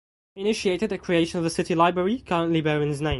He initiated the creation of the City Library (currently bearing his name).